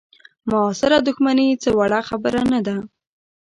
معاصره دوښمني څه وړه خبره نه ده.